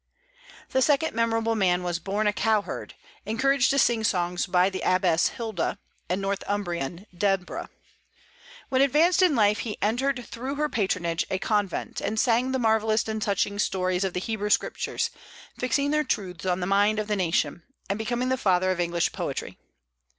The second memorable man was born a cowherd; encouraged to sing his songs by the abbess Hilda, a "Northumbrian Deborah." When advanced in life he entered through her patronage a convent, and sang the marvellous and touching stories of the Hebrew Scriptures, fixing their truths on the mind of the nation, and becoming the father of English poetry.